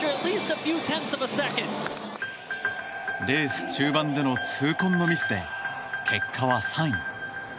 レース中盤での痛恨のミスで結果は３位。